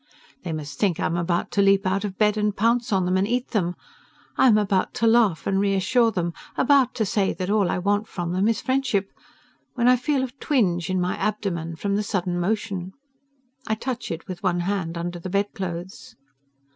They must think I am about to leap out of bed and pounce on them and eat them. I am about to laugh and reassure them, about to say that all I want from them is friendship, when I feel a twinge in my abdomen from the sudden motion. I touch it with one hand under the bedclothes.